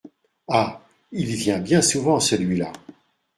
Ah ! il vient bien souvent, celui-là !